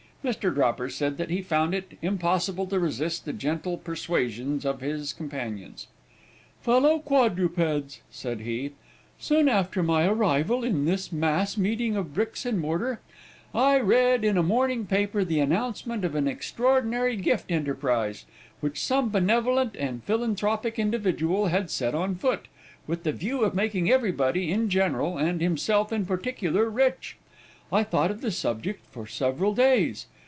Mr. Dropper said that he found it impossible to resist the gentle persuasions of his companions. "Fellow quadrupeds," said he, "soon after my arrival in this mass meeting of bricks and mortar, I read in a morning paper the announcement of an extraordinary gift enterprise, which some benevolent and philanthropic individual had set on foot, with the view of making everybody, in general, and himself, in particular, rich. I thought of the subject for several days.